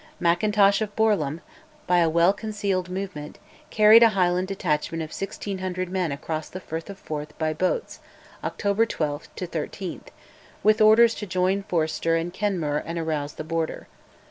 Mackintosh of Borlum, by a well concealed movement, carried a Highland detachment of 1600 men across the Firth of Forth by boats (October 12 13), with orders to join Forster and Kenmure and arouse the Border.